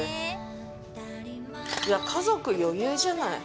家族余裕じゃない。